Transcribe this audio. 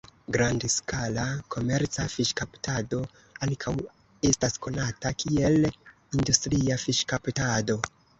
Grandskala komerca fiŝkaptado ankaŭ estas konata kiel industria fiŝkaptado.